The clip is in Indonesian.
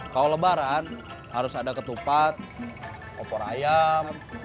kalau lebaran harus ada ketupat opor ayam